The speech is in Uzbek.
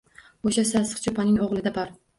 O‘sha sassiq cho‘ponning o‘g‘lida bor.